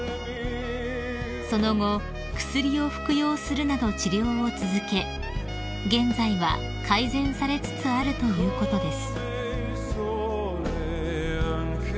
［その後薬を服用するなど治療を続け現在は改善されつつあるということです］